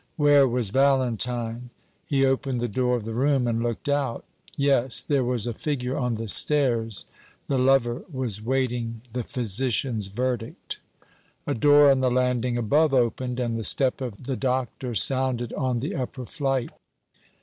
Where was Valentine? He opened the door of the room, and looked out. Yes, there was a figure on the stairs. The lover was waiting the physician's verdict. A door on the landing above opened, and the step of the Doctor sounded on the upper flight.